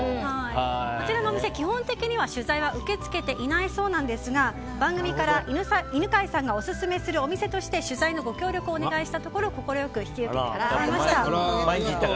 こちらのお店は基本的には取材は受け付けていないそうですが番組から犬飼さんがオススメするお店として取材のご協力をお願いしたところ快く引き受けてくださいました。